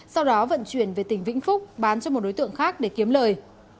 sau đó vận chuyển về tỉnh vĩnh phúc bán cho một đối tượng khác để kiếm lời